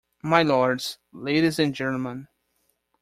My lords, ladies and gentlemen.